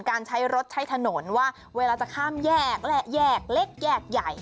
การใช้รถใช้ถนนว่าเวลาจะข้ามแยกและแยกเล็กแยกใหญ่